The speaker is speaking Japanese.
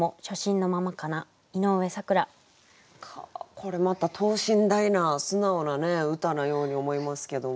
これまた等身大な素直な歌のように思いますけども。